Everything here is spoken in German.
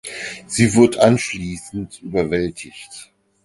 Sie wird anschließend überwältigt.